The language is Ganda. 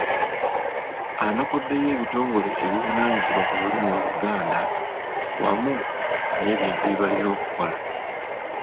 Anokoddeyo ebitongole ebivunaanyizibwa ku lulimi Oluganda wamu n’ebintu bye birina okukola.